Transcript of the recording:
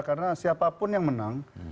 karena siapapun yang menang